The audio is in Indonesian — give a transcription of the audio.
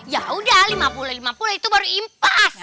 yaudah lima puluh lima puluh itu baru impas